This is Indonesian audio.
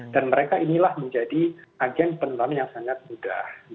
dan mereka inilah menjadi agen penelaman yang sangat mudah